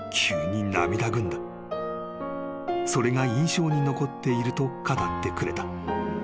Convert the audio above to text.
［それが印象に残っていると語ってくれた］